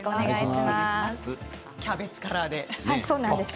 キャベツカラーですね。